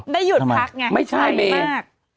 ได้หยุดพักไงใสมาก